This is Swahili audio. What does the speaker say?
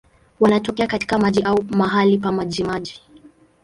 Wanatokea katika maji au mahali pa majimaji.